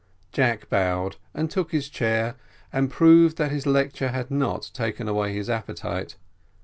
Jack bowed, and took his chair, and proved that his lecture had not taken away his appetite.